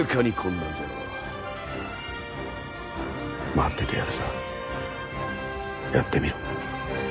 待っててやるさやってみろ。